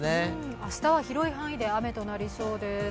明日は広い範囲で雨となりそうです。